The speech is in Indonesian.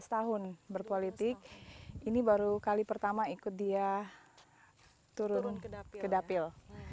lima belas tahun berpolitik ini baru kali pertama ikut dia turun ke dapil